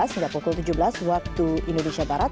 hingga pukul tujuh belas waktu indonesia barat